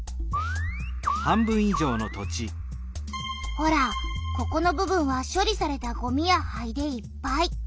ほらここの部分は処理されたごみや灰でいっぱい。